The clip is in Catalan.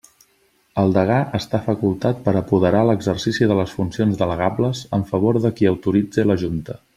El degà està facultat per a apoderar l'exercici de les funcions delegables en favor de qui autoritze la Junta.